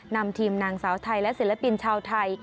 นำทีมนางสาวไทยและศิลปินชาวไทย